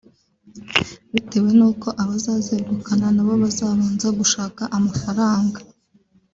bitewe n’uko abazazegukana nabo bazabanza gushaka amafaranga